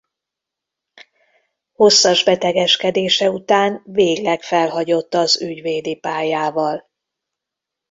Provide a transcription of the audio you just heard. Hosszas betegeskedése után végleg felhagyott az ügyvédi pályával.